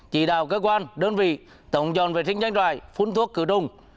chỉ đạo cơ quan đơn vị tổng tròn vệ sinh doanh trại phun thuốc khử trùng